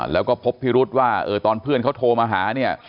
แล้วก็พบพิรุษว่าตอนเพื่อนเขาโทรมาหาเนี่ย